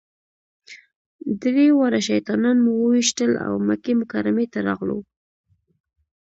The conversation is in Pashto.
درې واړه شیطانان مو وويشتل او مکې مکرمې ته راغلو.